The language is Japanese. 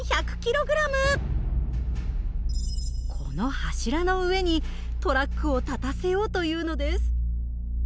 この柱の上にトラックを立たせようというのです。